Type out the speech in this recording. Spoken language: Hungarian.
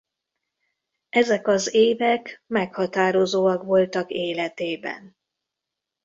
Ezek az évek meghatározóak voltak életében.